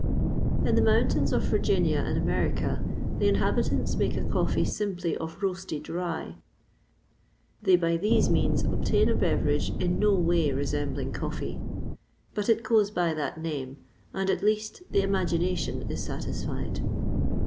In the mountains of Virginia, in America, the inhabitants make a coffee simply of roasted rye; they by these means obtain a beverage in no way resembling coffee, but it goes by that name, and at least the imagination is satisfied.